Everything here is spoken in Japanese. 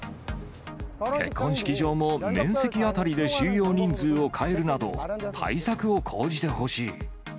結婚式場も面積当たりで収容人数を変えるなど、対策を講じてほしい。